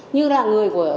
như là người của